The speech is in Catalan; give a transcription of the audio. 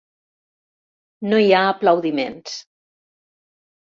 No hi ha aplaudiments.